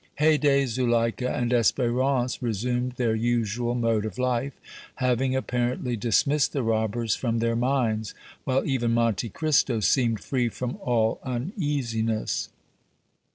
Haydée, Zuleika and Espérance resumed their usual mode of life, having apparently dismissed the robbers from their minds, while even Monte Cristo seemed free from all uneasiness.